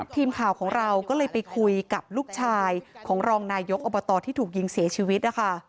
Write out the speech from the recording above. ทีมข่าวของเราก็เลยไปคุยกับลูกชายของรองนายกอบตที่ถูกยิงเสียชีวิตนะคะ